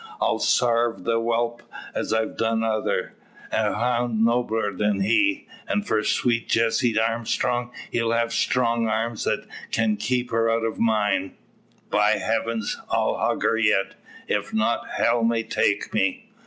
I'll sarve the whelp as I've done 'tother, a hound nobler than he. An' for sweet Jessie Armstrong, he'll have strong arms that can keep her out o' mine. By heavens! I'll hug her yet. If not, hell may take me!"